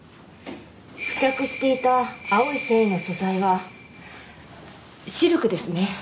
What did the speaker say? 付着していた青い繊維の素材はシルクですね。